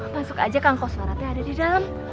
masuk aja kang koswara teh ada di dalam